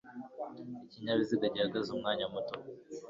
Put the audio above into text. ikinyabiziga gihagaze umwanya muto